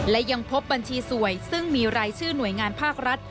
และยังพบบัญชีสวยซึ่งมีรายชื่อหน่วยงานภาครัฐ